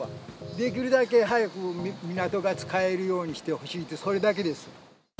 できるだけ早く港が使えるようにしてほしいっていう、それだけです。